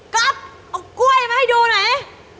เอากล้วยมาให้ดูหน่อย